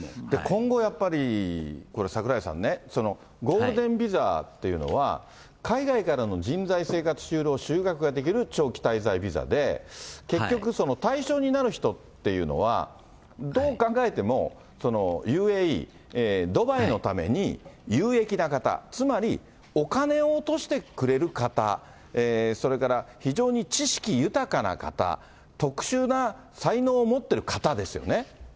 今後やっぱり、これ、櫻井さんね、そのゴールデンビザというのは海外からの人材が生活、就労、就学ができる長期滞在ビザで、結局、対象になる人っていうのは、どう考えても、ＵＡＥ、ドバイのために有益な方、つまり、お金を落としてくれる方、それから非常に知識豊かな方、特殊な才能を持ってる方ですよね。